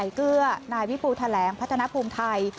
ใส่เกลือนายวิภูทะแหลงพัฒนภูมิไทย